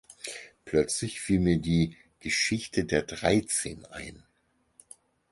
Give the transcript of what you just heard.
Plötzlich fiel mir die "Geschichte der Dreizehn" ein.